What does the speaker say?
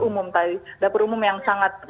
umum tadi dapur umum yang sangat